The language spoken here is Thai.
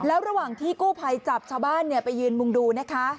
แล้วระหว่างที่กู้ภัยจับชาวบ้านไปยืนมุงดูนะคะ